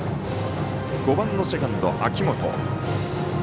５番のセカンド、秋元。